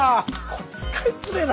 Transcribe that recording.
これ使いづれえな！